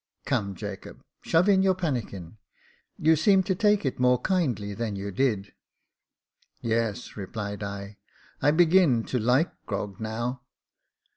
Come, Jacob, shove in your pannikin. You seem to take it more kindly than you did." " Yes," replied I, " I begin to like grog now."